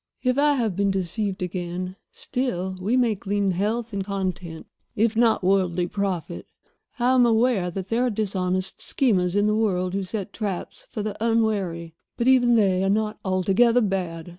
If I have been deceived again, still we may glean health and content, if not worldly profit. I am aware that there are dishonest schemers in the world who set traps for the unwary, but even they are not altogether bad.